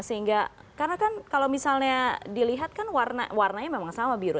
sehingga karena kan kalau misalnya dilihat kan warnanya memang sama biru